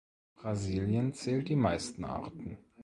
Brasilien zählt die meisten Arten.